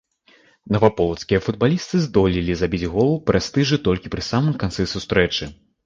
Наваполацкія футбалісты здолелі забіць гол прэстыжу толькі пры самым канцы сустрэчы.